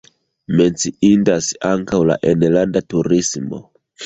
Menciindas ankaŭ la enlanda turismo.